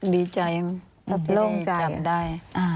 ดีใจว่าเป็นที่ได้จำได้